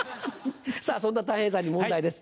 さぁそんなたい平さんに問題です。